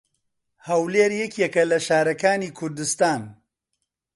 هەولێر یەکێکە لە شارەکانی کوردستان.